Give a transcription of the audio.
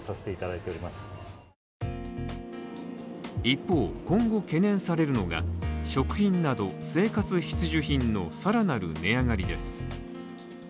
一方、今後懸念されるのが食品など生活必需品の更なる値上がりです。